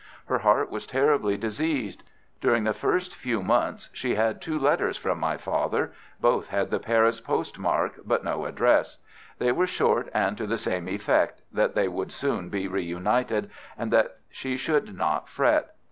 Her heart was terribly diseased. During the first few months she had two letters from my father. Both had the Paris post mark, but no address. They were short and to the same effect: that they would soon be reunited, and that she should not fret.